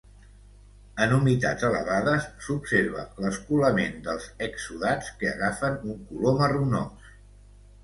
En humitats elevades, s'observa l'escolament dels exsudats que agafen un color marronós.